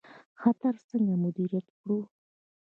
خطر څنګه مدیریت کړو؟